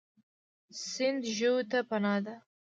سیند ژویو ته پناه ده.